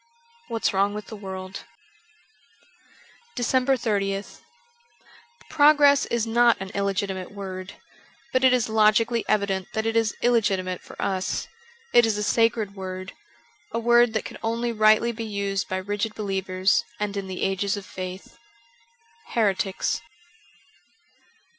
' What's Wrong with the World: 404 DECEMBER 30th PROGRESS is not an illegitimate word, but it is logically evident that it is illegitimate for us. It is a sacred word, a word that could only rightly be used by rigid believers and in the ages of faith. * Heretics.''